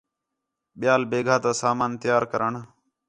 ٻِیال بیگھا تا سامان تیار کرݨ